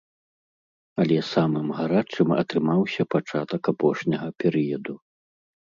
Але самым гарачым атрымаўся пачатак апошняга перыяду.